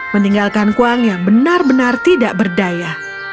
meninggalkan kuang yang benar benar tidak berdaya